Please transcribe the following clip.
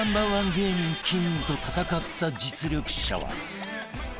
芸人キングと戦った実力者は